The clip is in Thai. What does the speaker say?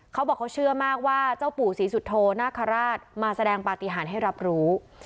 เขาบอกเขาเชื่อมากว่าเจ้าปู่ศรีสุโธนาคาราชมาแสดงปฏิหารให้รับรู้